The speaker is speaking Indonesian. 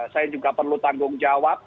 saya juga perlu tanggung jawab